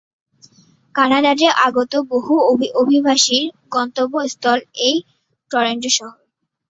কানাডাতে আগত বহু অভিবাসীর গন্তব্যস্থল এই টরন্টো শহর।